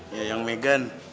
ya yang megan